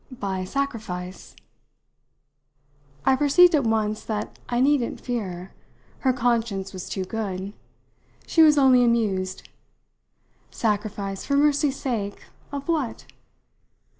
"By sacrifice." I perceived at once that I needn't fear: her conscience was too good she was only amused. "Sacrifice, for mercy's sake, of what?"